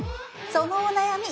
そのお悩み